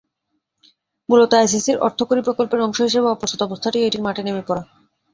মূলত আইসিসির অর্থকরী প্রকল্পের অংশ হিসেবে অপ্রস্তুত অবস্থাতেই এটির মাঠে নেমে পড়া।